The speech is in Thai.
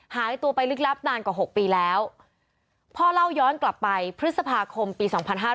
หายตัวไปลึกลับนานกว่า๖ปีแล้วพ่อเล่าย้อนกลับไปพฤษภาคมปี๒๕๕๙